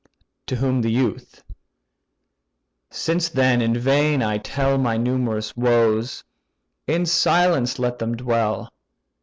To whom the youth: "Since then in vain I tell My numerous woes, in silence let them dwell.